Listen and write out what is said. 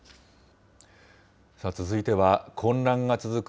続いては、混乱が続く